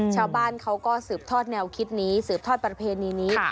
ชาวบ้านเขาก็สืบทอดแนวคิดนี้สืบทอดประเพณีนี้